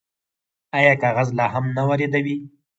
آیا کاغذ لا هم نه واردوي؟